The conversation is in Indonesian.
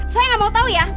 saya gak mau tau ya